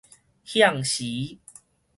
向時